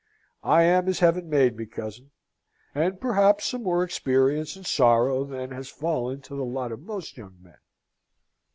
"I am as Heaven made me, cousin; and perhaps some more experience and sorrow than has fallen to the lot of most young men."